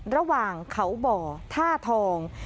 ระหว่างเขาบ่อท่าทอง